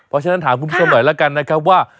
เพราะฉะนั้นถามคุณผู้ชมหน่อยแล้วกันนะครับว่า